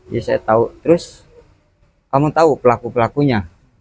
ya saya tahu terus kamu tahu pelaku pelakunya